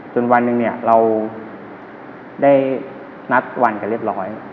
วันหนึ่งเนี่ยเราได้นัดวันกันเรียบร้อย